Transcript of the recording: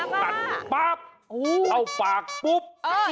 ตัดปั๊บเอาปากปุ๊บ